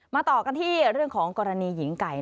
ต่อกันที่เรื่องของกรณีหญิงไก่